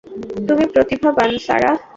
তুমি প্রতিভাবান, সারাহ।